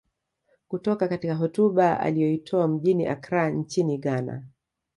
Kutoka katika hotuba aliyoitoa mjini Accra nchini Ghana